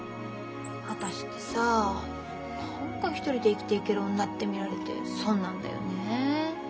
私ってさ何か一人で生きていける女って見られて損なんだよね。